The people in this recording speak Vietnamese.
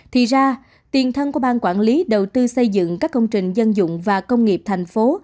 thì ra tiền thân của bang quản lý đầu tư xây dựng các công trình dân dụng và công nghiệp thành phố